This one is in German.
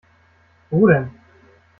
Wo denn?